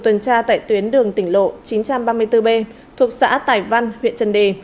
tuần tra tại tuyến đường tỉnh lộ chín trăm ba mươi bốn b thuộc xã tài văn huyện trần đề